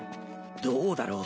どうだろう